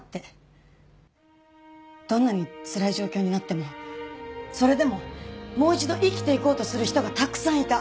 どんなにつらい状況になってもそれでももう一度生きていこうとする人がたくさんいた。